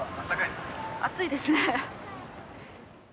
暑いですね。